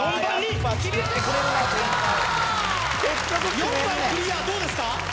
４番クリアどうですか？